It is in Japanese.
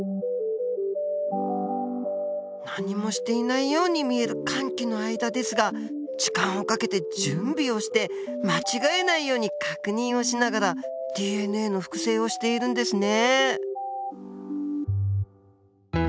何もしていないように見える間期の間ですが時間をかけて準備をして間違えないように確認をしながらＤＮＡの複製をしているんですね。